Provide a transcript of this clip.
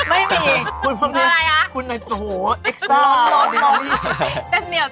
ไม่มีคุณพรุ่งนี้คุณพรุ่งนี้โอ้โฮโอ้โฮเอกสตาร์ทร้อนร้อน